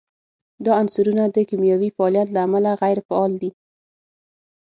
دا عنصرونه د کیمیاوي فعالیت له امله غیر فعال دي.